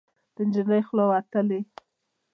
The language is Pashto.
د نجلۍ خوله وتلې